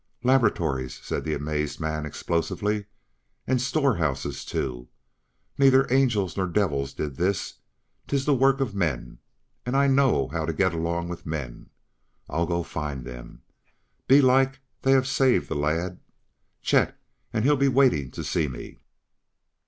"Lab'ratories!" said the amazed man explosively. "And storehouses, too! Neither angels nor devils did this; 'tis the work of men and I know how to get along with men. I'll go find them. Belike they have saved the lad, Chet, and he'll be waitin' to see me."